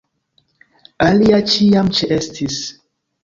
Alia ĉiam ĉeestis.